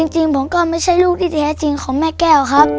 จริงผมก็ไม่ใช่ลูกที่แท้จริงของแม่แก้วครับ